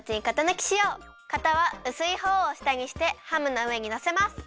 型はうすい方を下にしてハムのうえにのせます。